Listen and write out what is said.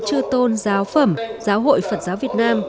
chư tôn giáo phẩm giáo hội phật giáo việt nam